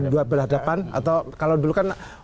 dua berhadapan atau kalau dulu kan